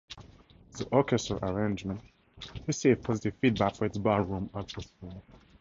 The orchestral arrangement received positive feedback for its ballroom atmosphere.